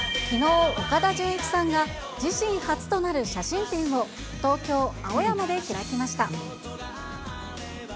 きのう、岡田准一さんが自身初となる写真展を、東京・青山で開きました。